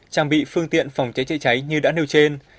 trang bị phương tiện phòng cháy chữa cháy như đã nêu trên